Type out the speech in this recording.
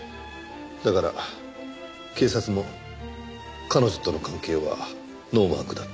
だから警察も彼女との関係はノーマークだった。